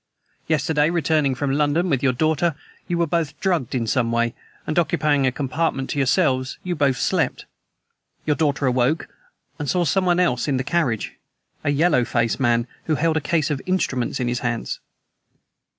Yesterday, returning from London with your daughter, you were both drugged in some way and, occupying a compartment to yourselves, you both slept. Your daughter awoke, and saw someone else in the carriage a yellow faced man who held a case of instruments in his hands."